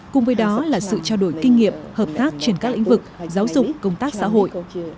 cùng với đó là sự trao đổi kinh nghiệm hợp tác trên các lĩnh vực giáo dục công tác xã hội